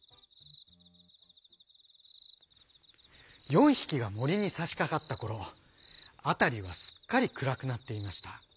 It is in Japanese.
４ひきがもりにさしかかったころあたりはすっかりくらくなっていました。